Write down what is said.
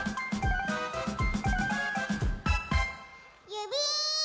ゆび！